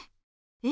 え？